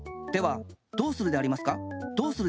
どうするでありますか？